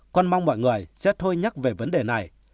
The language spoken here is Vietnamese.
con mong mọi người sẽ thôi nhắc về vấn đề này